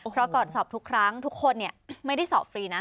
เพราะก่อนสอบทุกครั้งทุกคนไม่ได้สอบฟรีนะ